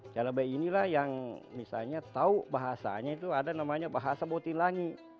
cabai inilah yang misalnya tahu bahasanya itu ada namanya bahasa botilangi